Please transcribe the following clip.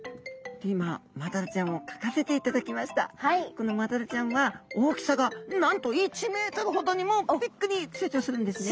このマダラちゃんは大きさがなんと１ｍほどにもビッグに成長するんですね。